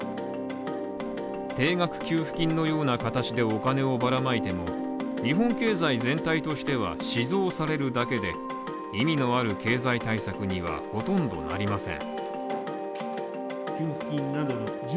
定額給付金のような形でお金をばらまいても、日本経済全体としては、死蔵されるだけで意味のある経済対策にはほとんどなりません。